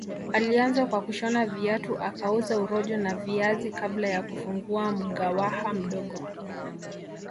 Alianza kwa kushona viatu akauza urojo na viazi kabla ya kufungua mgawaha mdogo